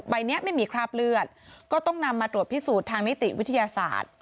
ใบนี้ไม่มีคราบเลือดก็ต้องนำมาตรวจพิสูจน์ทางนิติวิทยาศาสตร์